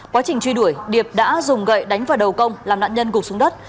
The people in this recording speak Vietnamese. quá trình truy đuổi điệp đã dùng gậy đánh vào đầu công làm nạn nhân gục xuống đất